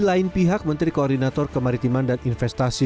di lain pihak menteri koordinator kemaritiman dan investasi